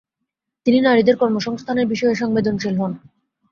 তিনি নারীদের কর্মসংস্থানের বিষয়ে সংবেদনশীল হন।